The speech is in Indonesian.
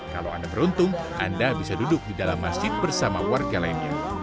kalau anda beruntung anda bisa duduk di dalam masjid bersama warga lainnya